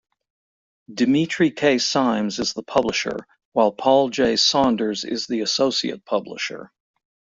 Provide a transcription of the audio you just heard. Dimitri K. Simes is the publisher, while Paul J. Saunders is the associate publisher.